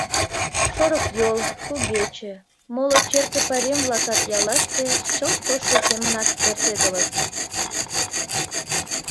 Шорыкйол, Кугече, моло черке пайрем-влакат яллаште чылт тошто семынак эртедылыт.